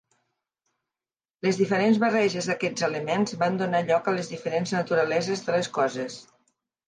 Les diferents barreges d'aquests elements van donar lloc a les diferents naturaleses de les coses.